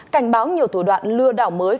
cảnh báo nhiều thủ đoạn lừa đảo mới